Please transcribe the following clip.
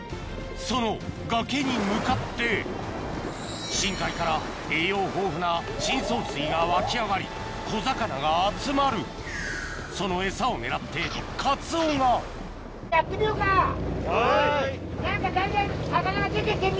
その崖に向かって深海から栄養豊富な深層水が湧き上がり小魚が集まるそのエサを狙ってカツオがはい！